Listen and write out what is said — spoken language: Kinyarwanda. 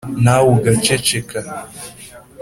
Nawe ugaceceka